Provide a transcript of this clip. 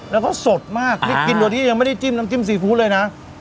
แล้วก็สดมากนี่กินโดยที่ยังไม่ได้จิ้มน้ำจิ้มซีฟู้ดเลยนะ